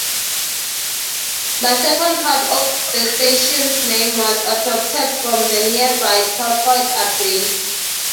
The second part of the station's name was adopted from the nearby Twyford Abbey.